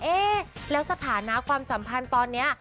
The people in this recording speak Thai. เอ๊ะแล้วสถานะความสัมพันธ์ตอนนี้